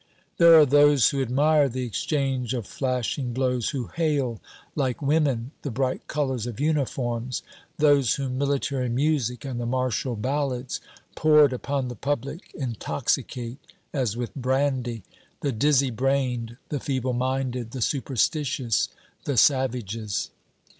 There are those who admire the exchange of flashing blows, who hail like women the bright colors of uniforms; those whom military music and the martial ballads poured upon the public intoxicate as with brandy; the dizzy brained, the feeble minded, the superstitious, the savages.